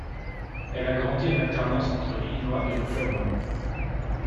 Elle a grandi en alternance entre l'Illinois et l'Oklahoma.